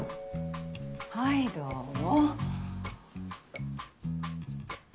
はいどうも。